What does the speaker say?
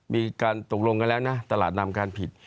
มีการตกลงกันแล้วนะตลาดนำการผิด